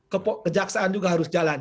kejaksaan juga harus jalan